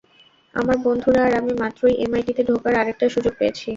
আমার বন্ধুরা আর আমি মাত্রই এমআইটিতে ঢোকার আরেকটা সুযোগ পেয়েছি।